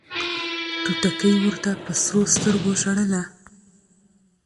توتکۍ ورته په سرو سترګو ژړله